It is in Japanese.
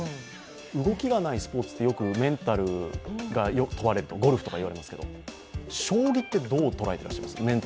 動きがないスポーツって、よくメンタルが問われる、ゴルフとか言われますけど将棋ってどう捉えてます？